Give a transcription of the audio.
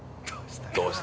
どうした？